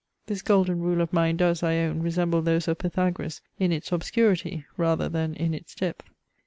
This golden rule of mine does, I own, resemble those of Pythagoras in its obscurity rather than in its depth.